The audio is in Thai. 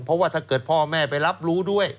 เพราะว่าถ้าเกิดพ่อแม่ไปรับรู้ด้วย